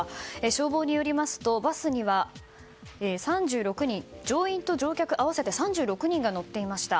消防によりますとバスには、乗員・乗客合わせて３６人が乗っていました。